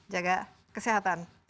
jaga kesehatan selalu